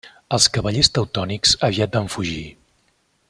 Els cavallers teutònics aviat van fugir.